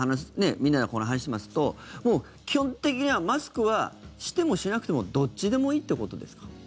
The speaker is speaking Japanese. みんなでこの話をしますともう基本的にはマスクはしてもしなくてもどっちでもいいってことですか。